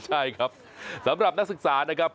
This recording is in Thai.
ใช่ครับสำหรับนักศึกษานะครับ